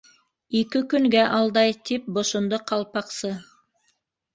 —Ике көнгә алдай, —тип бошондо Ҡалпаҡсы.